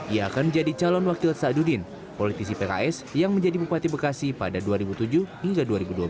ia akan menjadi calon wakil saadudin politisi pks yang menjadi bupati bekasi pada dua ribu tujuh hingga dua ribu dua belas